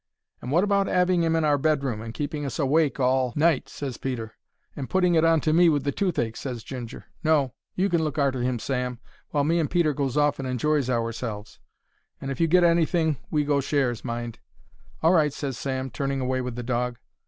"And wot about 'aving 'im in our bedroom and keeping us awake all night?" ses Peter. "And putting it on to me with the toothache," ses Ginger. "No; you can look arter 'im, Sam, while me and Peter goes off and enjoys ourselves; and if you get anything we go shares, mind." "All right," ses Sam, turning away with the dog.